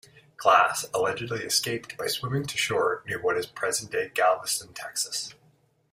Glass allegedly escaped by swimming to shore near what is present-day Galveston, Texas.